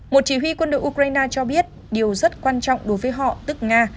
một chỉ huy quân đội ukraine cho biết điều rất quan trọng đối với họ tức nga